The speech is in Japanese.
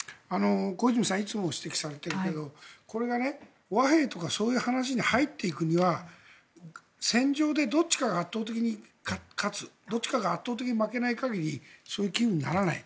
小泉さんいつも指摘されているけどこれが和平とかそういう話に入っていくには戦場でどっちかが圧倒的に勝つどっちかが圧倒的に負けない限りそういう機運にならない。